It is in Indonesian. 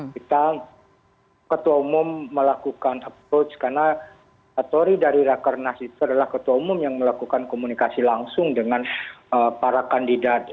kita ketua umum melakukan approach karena atori dari rakernas itu adalah ketua umum yang melakukan komunikasi langsung dengan para kandidat